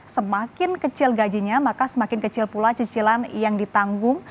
semakin kecil gajinya maka semakin kecil pula cicilan yang ditanggung